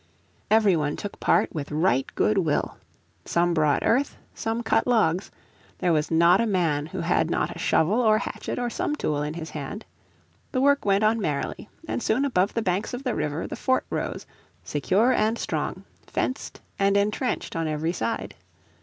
Every one took part with right good will. Some brought earth, some cut logs; there was not a man who had not a shovel or hatchet or some tool in his hand. The work went on merrily, and soon above the banks of the river the fort rose, secure and strong, fenced and entrenched on every side.